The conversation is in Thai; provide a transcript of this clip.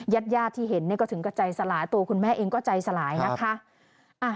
ญาติญาติที่เห็นก็ถึงกับใจสลายตัวคุณแม่เองก็ใจสลายนะคะ